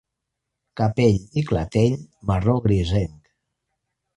Capell i clatell marró grisenc.